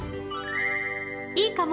いいかも！